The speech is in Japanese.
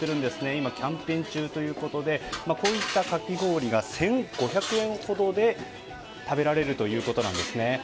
今、キャンペーン中ということでこういったかき氷が１５００円ほどで食べられるということなんですね。